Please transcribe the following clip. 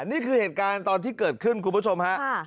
นี่คือเหตุการณ์ตอนที่เกิดขึ้นคุณผู้ชมฮะ